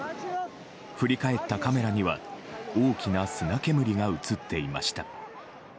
振り返ったカメラには大きな砂煙が映っていました。